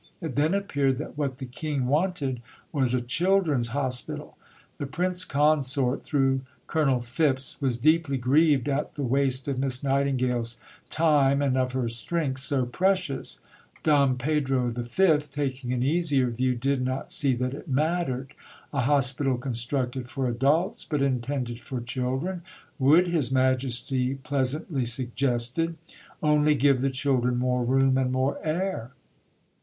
It then appeared that what the King wanted was a Children's Hospital. The Prince Consort, through Colonel Phipps, was deeply grieved at "the waste of Miss Nightingale's time and of her strength, so precious." Dom Pedro V., taking an easier view, did not see that it mattered. A hospital, constructed for adults, but intended for children, would, His Majesty pleasantly suggested, "only give the children more room and more air."